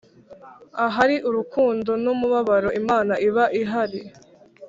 “ahariurukundo n’umubano imana iba ihari”.